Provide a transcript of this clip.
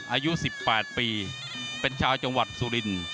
อายุ๑๘ปีเป็นชาวจังหวัดสุรินทร์